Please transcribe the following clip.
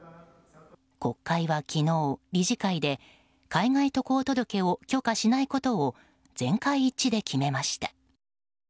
国会は昨日、理事会で海外渡航届を許可しないことを全会一致で決めました。